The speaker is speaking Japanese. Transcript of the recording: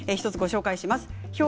１つご紹介します。